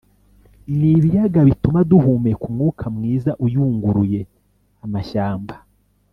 n ibiyaga bituma duhumeka umwuka mwiza uyunguruye amashyamba